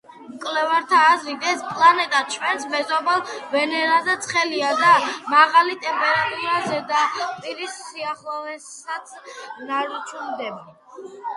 მკვლევართა აზრით, ეს პლანეტა ჩვენს მეზობელ ვენერაზე ცხელია და მაღალი ტემპერატურა ზედაპირის სიახლოვესაც ნარჩუნდება.